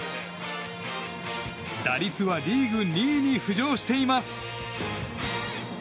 打率はリーグ２位に浮上しています。